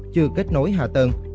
chưa kết nối hạ tầng